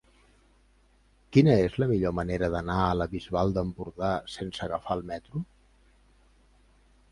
Quina és la millor manera d'anar a la Bisbal d'Empordà sense agafar el metro?